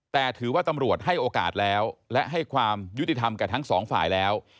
แต่ถือว่าตำรวจให้โอกาสแล้วและให้ความยุติธรรมกับทั้งสองฝ่ายแล้ว